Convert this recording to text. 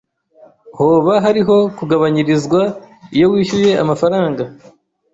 Hoba hariho kugabanyirizwa iyo wishyuye amafaranga?